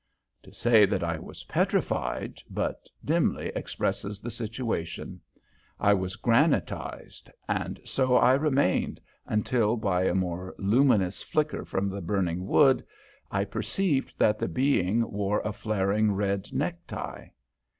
To say that I was petrified but dimly expresses the situation. I was granitized, and so I remained, until by a more luminous flicker from the burning wood I perceived that the being wore a flaring red necktie.